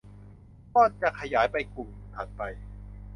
ก็จะขยายไปกลุ่มถัดไป